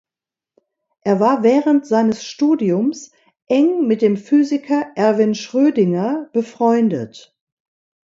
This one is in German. Er war während seines Studiums eng mit dem Physiker Erwin Schrödinger befreundet.